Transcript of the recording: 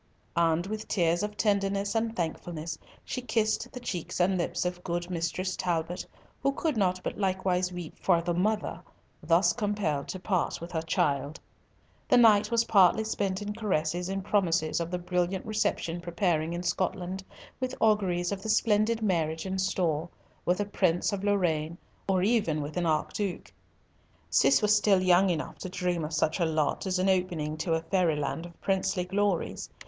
And with tears of tenderness and thankfulness she kissed the cheeks and lips of good Mistress Talbot, who could not but likewise weep for the mother thus compelled to part with her child. The night was partly spent in caresses and promises of the brilliant reception preparing in Scotland, with auguries of the splendid marriage in store, with a Prince of Lorraine, or even with an Archduke. Cis was still young enough to dream of such a lot as an opening to a fairy land of princely glories.